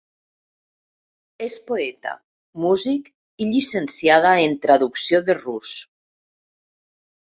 És poeta, músic i llicenciada en traducció de rus.